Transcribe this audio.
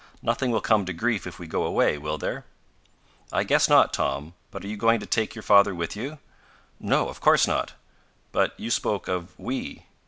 Nothing will come to grief if we go away, will there?" "I guess not, Tom. But are you going to take your father with you?" "No, of course not." "But you spoke of 'we.'"